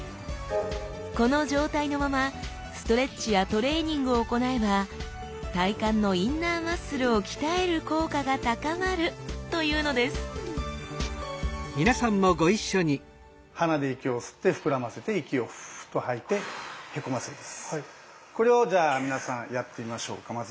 この状態のままストレッチやトレーニングを行えば体幹のインナーマッスルを鍛える効果が高まるというのですこれをじゃあ皆さんやってみましょうかまず。